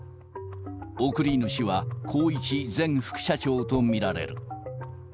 送り主は宏一前副社長と見られる。